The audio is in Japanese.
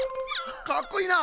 かっこいいな。